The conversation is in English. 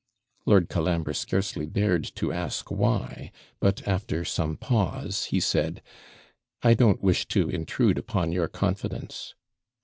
Lord Colambre scarcely dared to ask why; but, after some pause, he said 'I don't wish to intrude upon your confidence.'